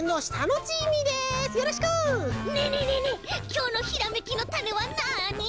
きょうのひらめきのタネはなに？